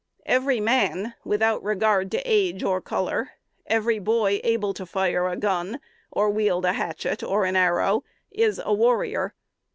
Every man, without regard to age or color; every boy able to fire a gun, or wield a hatchet, or an arrow, is a warrior.